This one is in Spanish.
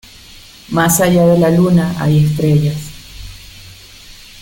Más allá de la luna hay estrellas.